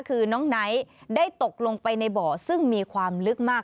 คือน้องไนท์ได้ตกลงไปในบ่อซึ่งมีความลึกมาก